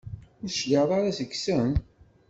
Ur d-tecliɛem ara seg-sen?